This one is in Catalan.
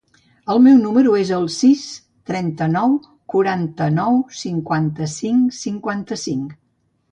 El meu número es el sis, trenta-nou, quaranta-nou, cinquanta-cinc, cinquanta-cinc.